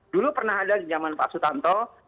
dulu pernah ada di zaman pak sutanto